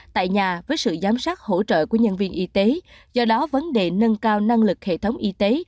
tại nhà với sự giám sát hỗ trợ của nhân viên y tế do đó vấn đề nâng cao năng lực hệ thống y tế